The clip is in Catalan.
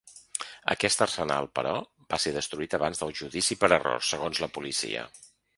Aquest arsenal, però, va ser destruït abans del judici per error, segons la policia.